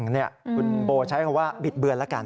คุณโบใช้คำว่าบิดเบือนแล้วกัน